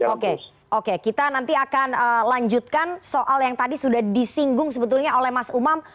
oke oke kita nanti akan lanjutkan soal yang tadi sudah disinggung sebetulnya oleh mas umam